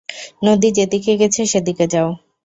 নদী যেদিকে গেছে সেদিকে যাও।